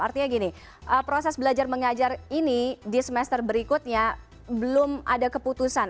artinya gini proses belajar mengajar ini di semester berikutnya belum ada keputusan